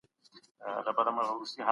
موږ بايد په کوڅې کي خپل فکر پاک وساتو.